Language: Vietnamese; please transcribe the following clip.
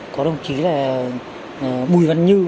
có đồng chí là bùi văn như